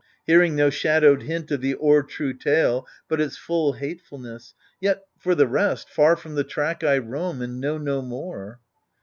Hearing no shadow'd hint of th' o'er true tale, But its full hatefulness : yet, for the rest. Far from the track I roam, and know no more.